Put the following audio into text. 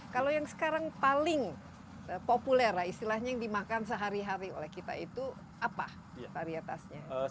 kalau yang sekarang paling populer lah istilahnya yang dimakan sehari hari oleh kita itu apa varietasnya